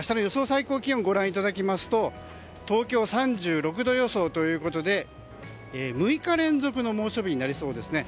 最高気温をご覧いただきますと東京は３６度予想で６日連続の猛暑日になりそうですね。